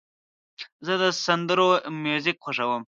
زه د سندرو میوزیک خوښوم.